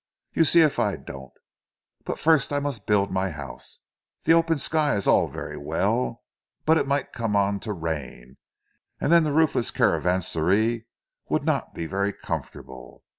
You see if I don't. But first I must build my house. The open sky is all very well, but it might come on to rain, and then the roofless caravanserai would not be very comfortable.